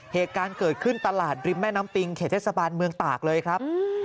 เหตุการณ์เกิดขึ้นตลาดริมแม่น้ำปิงเขตเทศบาลเมืองตากเลยครับ